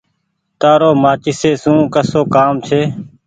تآرو مآچيسي سون ڪسو ڪآم ڇي۔